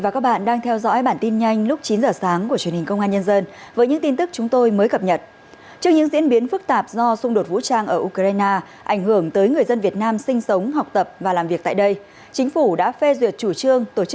cảm ơn các bạn đã theo dõi